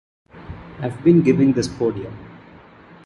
I've been given this podium.